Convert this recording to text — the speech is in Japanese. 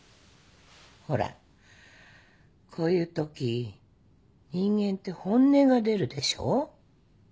ほらこういうとき人間って本音が出るでしょ？